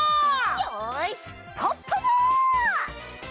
よしポッポも！